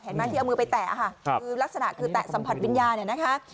เห็นไหมที่เอามือไปแตะค่ะลักษณะคือแตะสัมผัสวิญญาณนะคะ